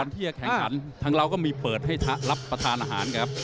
ที่จะแข่งขันทางเราก็มีเปิดให้รับประทานอาหารครับ